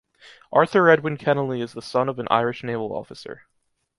Arthur Edwin Kennelly is the son of an Irish naval officer.